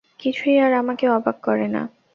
কিছুই আর আমাকে অবাক করে না।